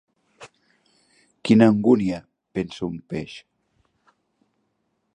Quina angúnia, pensa un peix.